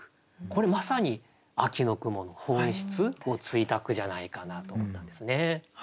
これまさに秋の雲の本質をついた句じゃないかなと思ったんですね。